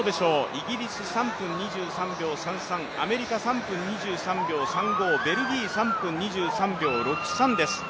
イギリス３分２３秒３３。アメリカ３分２３秒３５、ベルギー３分２３秒６３です。